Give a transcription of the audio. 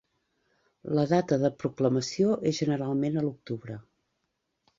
La data de proclamació és generalment a l'octubre.